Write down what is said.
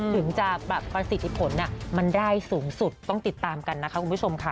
ถึงจะแบบประสิทธิผลมันได้สูงสุดต้องติดตามกันนะคะคุณผู้ชมค่ะ